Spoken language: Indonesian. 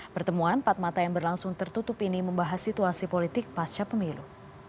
pertemuan empat mata yang berlangsung tertutup ini membahas situasi politik pasca pemilu